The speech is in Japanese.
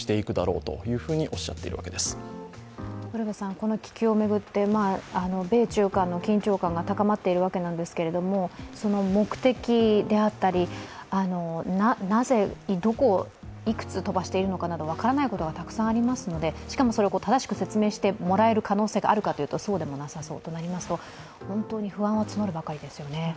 この気球を巡って、米中間の警戒が高まっているわけですけど目的であったり、なぜ、どこ、いくつ飛ばしているかなど分からないことがたくさんありますので、しかもそれを正しく説明してもらえる可能性があるかというとそうでもなさそうといいますと、本当に不安は募るばかりですよね。